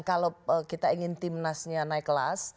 kalau kita ingin timnasnya naik kelas